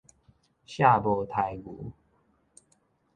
卸磨刣牛